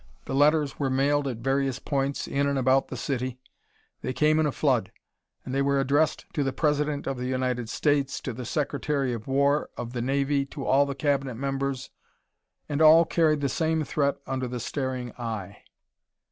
The letters were mailed at various points in and about the city; they came in a flood. And they were addressed to the President of the United States, to the Secretary of War of the Navy to all the Cabinet members. And all carried the same threat under the staring eye.